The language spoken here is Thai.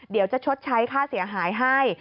เดี๋ยวจะชดใช้ค่าเสียหายให้